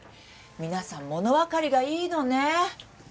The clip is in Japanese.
皆さんものわかりがいいのね。